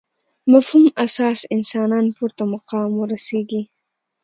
مفهوم اساس انسانان پورته مقام ورسېږي.